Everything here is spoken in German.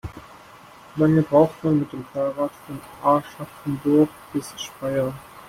Wie lange braucht man mit dem Fahrrad von Aschaffenburg bis Speyer?